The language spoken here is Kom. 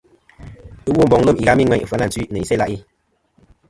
Womboŋ lem ighami ŋweyn Fyanantwi, nɨ Isæ-ila'i.